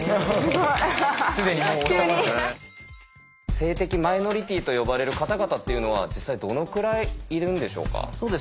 性的マイノリティーと呼ばれる方々っていうのは実際どのくらいいるんでしょうか？